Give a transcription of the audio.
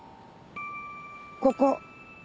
ここ。